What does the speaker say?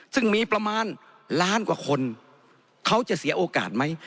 ซึ่งมีประมาณล้านกว่าคนเขาจะเสียโอกาสไหม